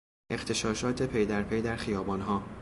اغتشاشات پیدرپی در خیابانها